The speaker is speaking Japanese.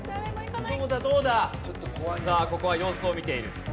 さあここは様子を見ている。